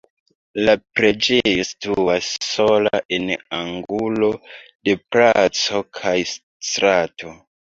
La preĝejo situas sola en angulo de placo kaj strato.